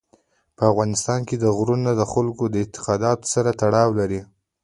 په افغانستان کې غرونه د خلکو د اعتقاداتو سره تړاو لري.